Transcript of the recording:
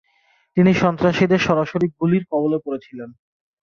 তিনি সন্ত্রাসীদের সরাসরি গুলির কবলে পড়েছিলেন।